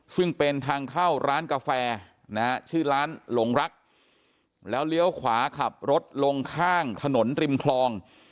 ซึ่งเป็นทางเข้าร้านกาแฟนะฮะชื่อร้านหลงรักแล้วเลี้ยวขวาขับรถลงข้างถนนริมคลอง